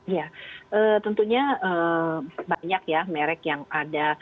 ya tentunya banyak ya merek yang ada